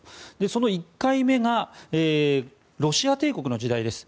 その１回目がロシア帝国の時代です。